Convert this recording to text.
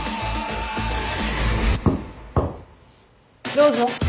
どうぞ。